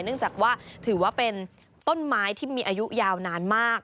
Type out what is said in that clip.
เนื่องจากว่าถือว่าเป็นต้นไม้ที่มีอายุยาวนานมาก